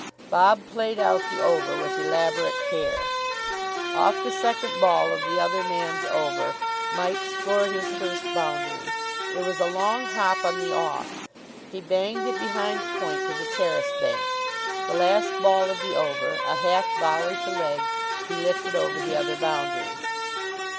Bob played out the over with elaborate care. Off the second ball of the other man's over Mike scored his first boundary. It was a long hop on the off. He banged it behind point to the terrace bank. The last ball of the over, a half volley to leg, he lifted over the other boundary.